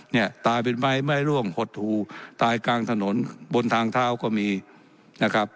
เนี่ยตายเป็นไม้ไม่ร่วงหดหูตายกลางถนนบนทางเท้าก็มีนะครับ